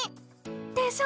でしょ！